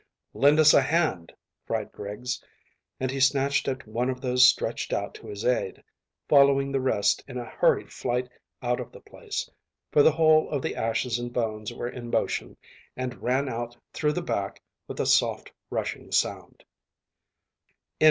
"Lend us a hand," cried Griggs, and he snatched at one of those stretched out to his aid, following the rest in a hurried flight out of the place, for the whole of the ashes and bones were in motion and ran out through the back with a soft rushing sound.